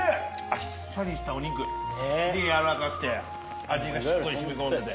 あっさりしたお肉やわらかくて味がしっかり染み込んでて。